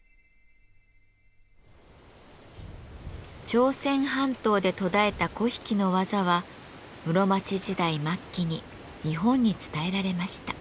朝鮮半島で途絶えた粉引の技は室町時代末期に日本に伝えられました。